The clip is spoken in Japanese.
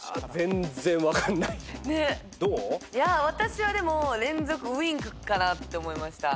私は連続ウインクかなって思いました。